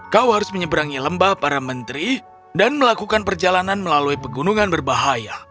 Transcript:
kau harus menyeberangi lembah para menteri dan melakukan perjalanan melalui pegunungan berbahaya